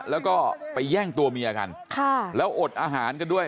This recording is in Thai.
แล้วก็ไปแย่งตัวเมียกันแล้วอดอาหารกันด้วย